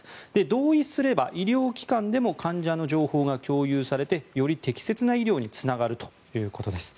同意すれば医療機関でも患者の情報が共有されてより適切な医療につながるということです。